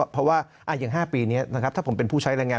เพราะว่าอย่าง๕ปีนี้นะครับถ้าผมเป็นผู้ใช้แรงงาน